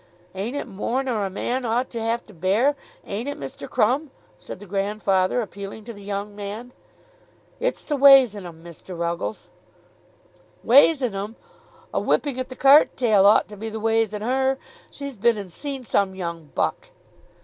"Ain't it more nor a man ought to have to bear; ain't it, Mr. Crumb?" said the grandfather appealing to the young man. "It's the ways on 'em, Mr. Ruggles." "Ways on 'em! A whipping at the cart tail ought to be the ways on her. She's been and seen some young buck."